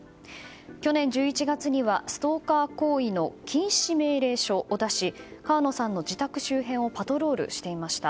去年１１月にはストーカー行為の禁止命令書を出し川野さんの自宅周辺をパトロールしていました。